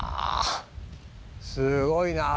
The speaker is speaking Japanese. すごいな。